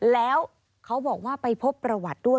แล้วเขาบอกว่าไปพบประวัติด้วย